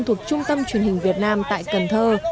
thuộc trung tâm truyền hình việt nam tại cần thơ